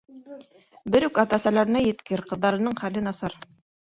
Берүк ата-әсәләренә еткер, ҡыҙҙарының хәле насар.